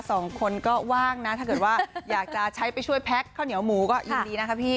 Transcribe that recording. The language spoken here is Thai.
สองคนก็ว่างนะถ้าเกิดว่าอยากจะใช้ไปช่วยแพ็คข้าวเหนียวหมูก็ยินดีนะคะพี่